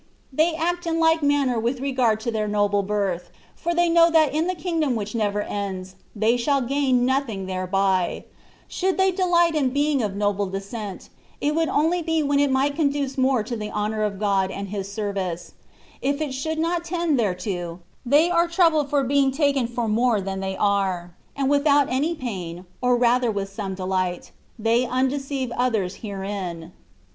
They act in like manner with re gard to their noble birth, for they know that in the kingdom which never ends they shall gain nothing thereby; should they delight in being of noble descent, it would only be when it might conduce more to the honour of God and His ser vice; if it should not tend thereto, they are troubled for being taken far more than they are, and without any pain, or rather with some delight, they imdeceive others herein.